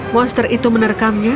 monster itu menerekamnya